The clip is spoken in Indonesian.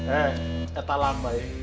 eh eh talang baik